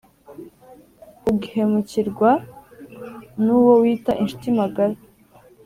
ughemukirwa nuwo wita inshuti magara